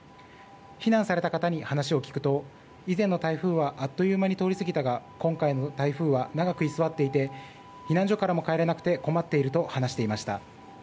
避難された方に話を聞くと以前の台風はあっという間に通り過ぎたが今回の台風は長く居座っていて避難所からも帰れなくて困っていると話していました。